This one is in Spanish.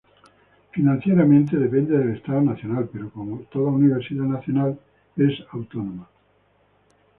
Financieramente depende del Estado nacional, pero como toda Universidad Nacional, es autónoma.